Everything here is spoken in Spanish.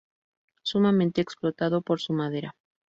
Sumamente explotado por su madera.